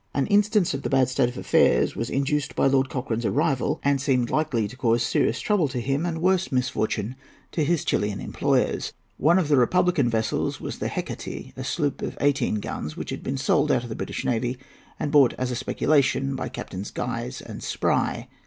An instance of the bad state of affairs was induced by Lord Cochrane's arrival, and seemed likely to cause serious trouble to him and worse misfortune to his Chilian employers. One of the republican vessels was the Hecate, a sloop of eighteen guns which had been sold out of the British navy and bought as a speculation by Captains Guise and Spry.